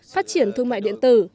phát triển thương mại điện tử